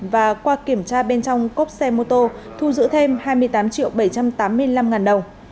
và qua kiểm tra bên trong cốp xe mô tô thu giữ thêm hai mươi tám triệu bảy trăm tám mươi năm ngàn đồng